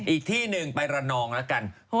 อีกที่หนึ่งไประนองแล้วกัน